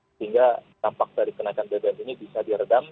sehingga dampak dari kenaikan bbm ini bisa diredam